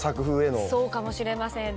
そうかもしれませんね。